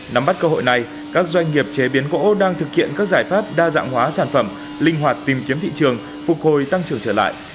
nắm bắt cơ hội này các doanh nghiệp chế biến gỗ đang thực hiện các giải pháp đa dạng hóa sản phẩm linh hoạt tìm kiếm thị trường phục hồi tăng trưởng trở lại